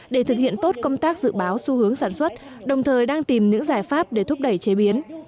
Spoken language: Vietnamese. để thực hiện tốt công tác dự báo xu hướng sản xuất đồng thời đang tìm những giải pháp để thúc đẩy chế biến